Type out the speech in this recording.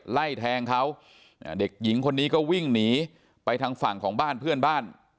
ไล่แทงเขาเด็กหญิงคนนี้ก็วิ่งหนีไปทางฝั่งของบ้านเพื่อนบ้าน